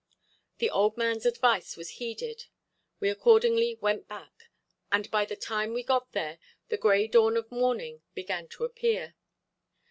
The old man's advice was heeded. We accordingly went back, and by the time we got there the grey dawn of morning began to appear.